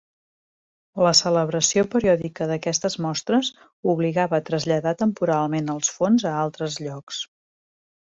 La celebració periòdica d'aquestes mostres obligava a traslladar temporalment els fons a altres llocs.